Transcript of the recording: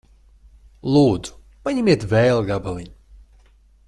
Lūdzu. Paņemiet vēl gabaliņu.